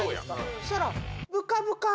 そしたら。